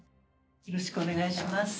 よろしくお願いします。